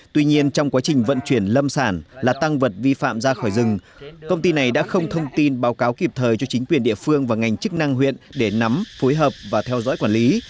tuy nhiên trong quá trình vận chuyển lâm sản là tăng vật vi phạm ra khỏi rừng công ty này đã không thông tin báo cáo kịp thời cho chính quyền địa phương và ngành chức năng huyện để nắm phối hợp và theo dõi quản lý